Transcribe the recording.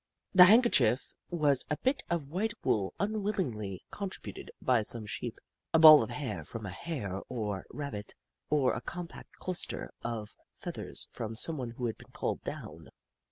The handker chief was a bit of white wool unwillingly con tributed by some Sheep, a ball of hair from a Hare or Rabbit, or a compact cluster of feathers from someone who had been called down.